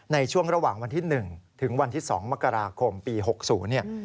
ในช่วงระหว่างวันที่๑ถึงวันที่๒มกราคมปี๖๐เนี่ย